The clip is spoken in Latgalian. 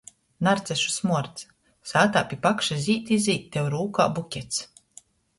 Narcišu smuords. Sātā pi pakša zīd i zīd tev rūkā bukets.